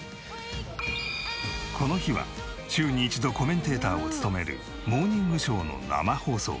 この日は週に一度コメンテーターを務める『モーニングショー』の生放送。